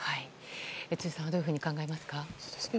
辻さんはどういうふうに考えますか？